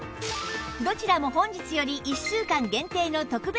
どちらも本日より１週間限定の特別価格！